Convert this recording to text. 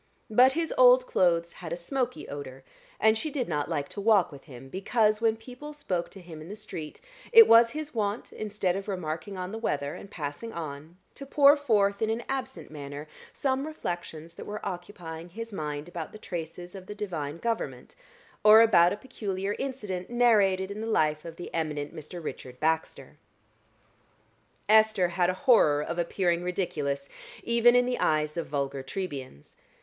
But his old clothes had a smoky odor, and she did not like to walk with him, because, when people spoke to him in the street, it was his wont, instead of remarking on the weather and passing on, to pour forth in an absent manner some reflections that were occupying his mind about the traces of the Divine government, or about a peculiar incident narrated in the life of the eminent Mr. Richard Baxter. Esther had a horror of appearing ridiculous even in the eyes of vulgar Trebians.